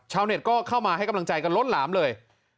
เน็ตก็เข้ามาให้กำลังใจกันล้นหลามเลย